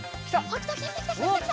きた！